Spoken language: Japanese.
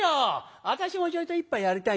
私もちょいと一杯やりたいんだ。